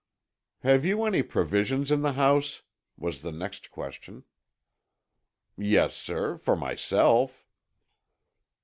"Have you any provisions in the house?" was the next question. "Yes, sir, for myself."